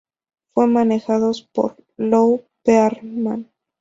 Fueron manejados por Lou Pearlman.